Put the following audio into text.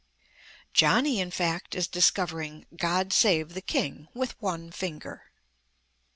Johnny, in fact, is discovering "God Save the King" with one finger.